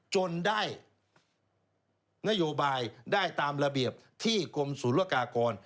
จนได้นโยบายได้ตามระเบียบที่กรมศูนยากากร